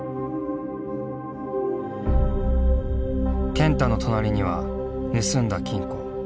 健太の隣には盗んだ金庫。